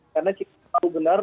karena cikgu tahu benar